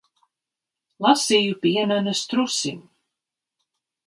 Lasīju pienenes trusim.